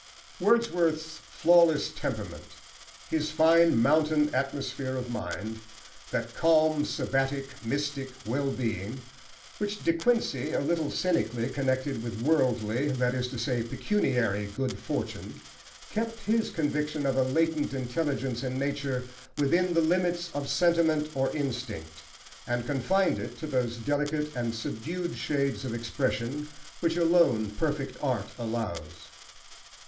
Wordsworth's flawless temperament, his fine mountain atmosphere of mind, that calm, sabbatic, mystic, wellbeing which De Quincey, a little cynically, connected with worldly (that is to say, pecuniary) good fortune, kept his conviction of a latent intelligence in nature within the limits of sentiment or instinct, and confined it to those delicate and subdued shades of expression which alone perfect art allows.